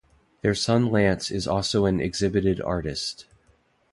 Their son Lance is also an exhibited artist.